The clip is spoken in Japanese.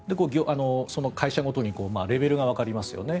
会社ごとにレベルがわかりますよね。